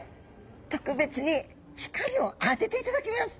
特別に光を当てていただきます。